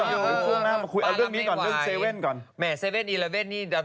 ถึงงานคุยเรื่องนี้ก่อนเรื่อง๗๑๑ก่อน